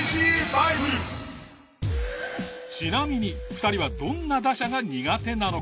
ちなみに２人はどんな打者が苦手なのか？